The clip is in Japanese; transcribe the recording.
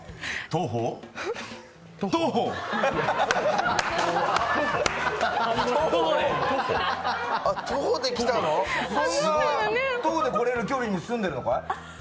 徒歩でこれる距離に住んでるのかい？